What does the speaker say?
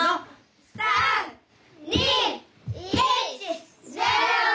３２１０！